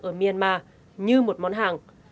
ở myanmar như một món hàng